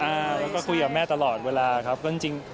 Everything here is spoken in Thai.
แล้วก็คุยกับแม่ตลอดเวลาครับก็จริง